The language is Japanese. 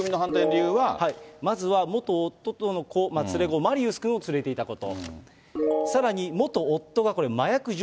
まずは元夫との子、連れ子、マリウスくんを連れていたこと。